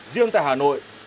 riêng tại hà nội